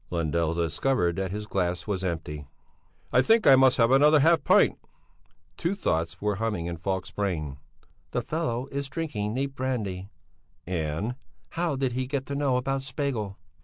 Lundell discovered that his glass was empty. "I think I must have another half pint!" Two thoughts were humming in Falk's brain: "The fellow is drinking neat brandy" and "How did he get to know about Spegel?"